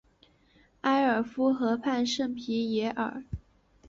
埃尔夫河畔圣皮耶尔。